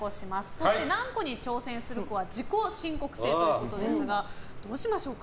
そして何個に挑戦するかは自己申告制ということですがどうしましょうか？